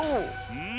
うん。